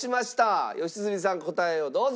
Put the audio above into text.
良純さん答えをどうぞ！